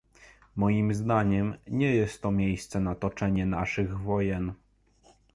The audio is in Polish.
Moim zdaniem nie jest to miejsce na toczenie naszych wojen